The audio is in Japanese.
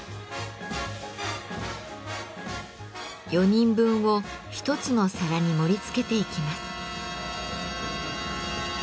４人分を一つの皿に盛りつけていきます。